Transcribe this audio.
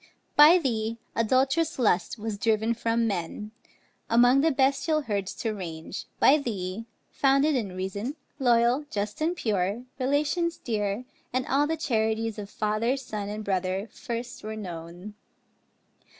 By thee adult'rous lust was driven from men, Among the bestial herds to range; by thee, Founded in reason, loyal, just and pure, Relations dear, and all the charities Of father, son, and brother, first were known.